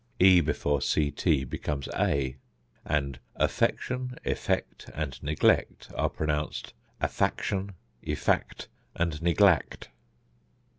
e before ct becomes a; and affection, effect and neglect are pronounced affaction, effact and neglact.